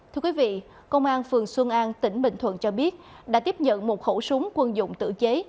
thưa quý vị công an phường xuân an tỉnh bình thuận cho biết đã tiếp nhận một khẩu súng quân dụng tự chế